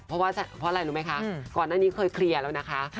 เพราะอะไรรู้ไหมคะก่อนอันนี้เคยเคลียร์แล้วนะคะ